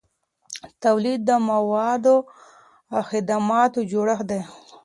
تولید د موادو او خدماتو جوړښت دی.